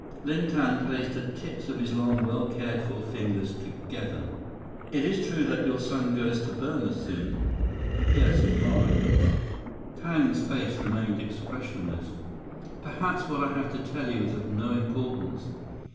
Ling Tang placed the tips of his long, well cared for fingers together. "It is true that your son goes to Burma soon?" "Yes. Tomorrow." Tang's face remained expressionless. "Perhaps what I have to tell you is of no importance.